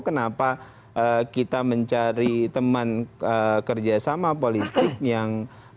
kenapa kita mencari teman kerja sama politik yang